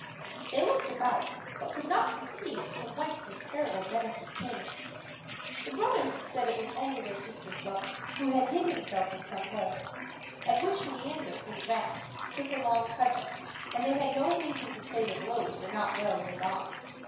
They looked about, but could not conceive from whence these terrible menaces came. The brothers said it was only their sister's lover, who had hid himself in some hole; at which Leander, in wrath, took a long cudgel, and they had no reason to say the blows were not well laid on.